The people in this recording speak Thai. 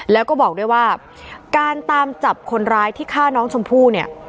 แล้วก็บอกด้วยว่าการตามจับคนร้ายที่ฆ่าน้องชมพู่เนี่ย